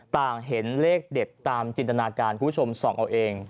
ต่างเห็นเลขเด็ดตามจินตนาการคุณผู้ชมส่องเอาเอง